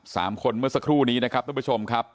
สามคนเมื่อสักครู่นี้นะครับทุกผู้ชมครับ